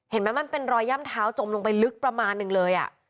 มันเป็นรอยย่ำเท้าจมลงไปลึกประมาณนึงเลย